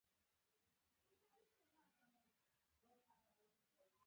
اوس هلته هېره او مرګوخوره ده